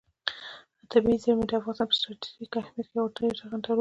طبیعي زیرمې د افغانستان په ستراتیژیک اهمیت کې یو ډېر رغنده رول لري.